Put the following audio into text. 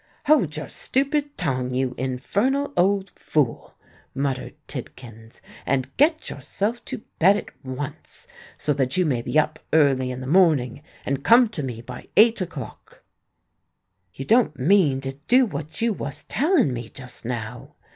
"Hold your stupid tongue, you infernal old fool!" muttered Tidkins; "and get yourself to bed at once, so that you may be up early in the morning and come to me by eight o'clock." "You don't mean to do what you was telling me just now?"